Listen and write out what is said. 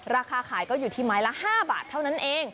ราคาขายก็อยู่ที่ไม้ละ๕บาทเท่านั้นเอง